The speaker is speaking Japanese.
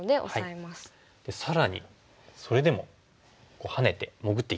更にそれでもハネて潜っていきます。